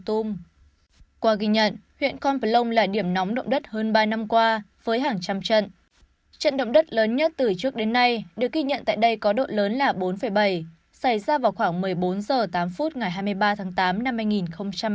trận động đất lớn nhất từ trước đến nay được ghi nhận tại đây có độ lớn là bốn bảy xảy ra vào khoảng một mươi bốn h tám ngày hai mươi ba tháng tám năm hai nghìn hai mươi hai